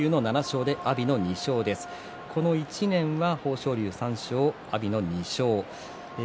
この１年は豊昇龍が３勝で阿炎の２勝です。